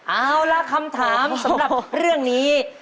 เอาล่ะคำถามสำหรับเรื่องนี้